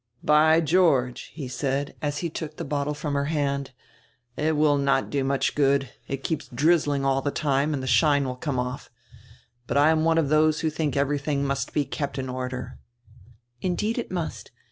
"By George!" he said, as he took die bottie from her hand, "it will not do much good; it keeps drizzling all die time and die shine will come off. But I am one of diose who think everything mnst he kept in order." "Indeed it must.